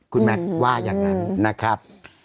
คุณแมทว่ายังนะครับ